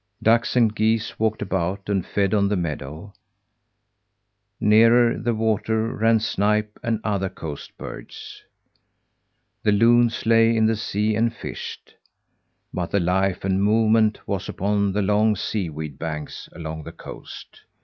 Ducks and geese walked about and fed on the meadow; nearer the water, ran snipe, and other coast birds. The loons lay in the sea and fished, but the life and movement was upon the long sea weed banks along the coast.